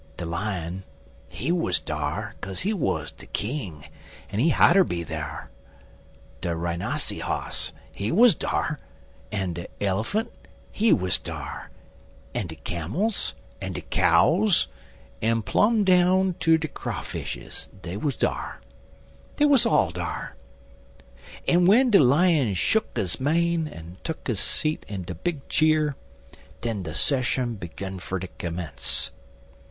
De Lion, he wuz dar, kase he wuz de king, en he hatter be der. De Rhynossyhoss, he wuz dar, en de Elephant, he wuz dar, en de Cammils, en de Cows, en plum' down ter de Crawfishes, dey wuz dar. Dey wuz all dar. En w'en de Lion shuck his mane, en tuck his seat in de big cheer, den de sesshun begun fer ter commence.